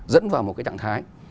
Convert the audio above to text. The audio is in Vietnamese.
dẫn vào một cái trạng thái